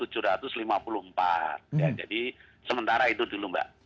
jadi sementara itu dulu mbak